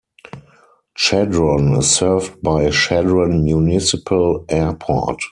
Chadron is served by Chadron Municipal Airport.